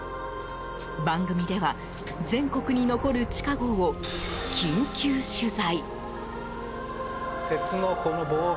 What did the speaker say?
番組では全国に残る地下壕を緊急取材。